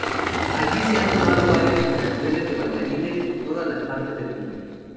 Allí se han formado varias generaciones de bailarines de todas las partes del mundo.